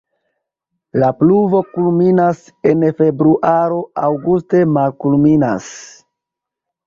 La pluvo kulminas en februaro, aŭguste malkulminas.